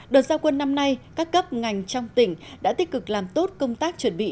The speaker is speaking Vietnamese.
đợt giao quân năm nay các cấp ngành trong tỉnh đã tích cực làm tốt công tác chuẩn bị